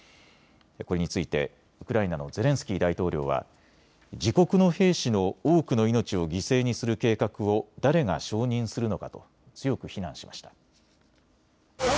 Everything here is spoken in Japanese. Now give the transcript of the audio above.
これについてウクライナのゼレンスキー大統領は自国の兵士の多くの命を犠牲にする計画を誰が承認するのかと強く非難しました。